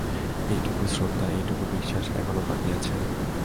এইটুকু শ্রদ্ধা, এইটুকু বিশ্বাস, এখনো বাকি আছে!